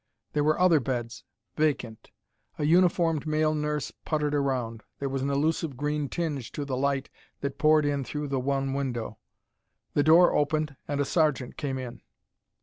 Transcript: There were other beds, vacant. A uniformed male nurse puttered around. There was an elusive green tinge to the light that poured in through the one window. The door opened and a sergeant came in.